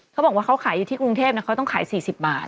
เขาบอกว่าเขาขายอยู่ที่กรุงเทพเขาต้องขาย๔๐บาท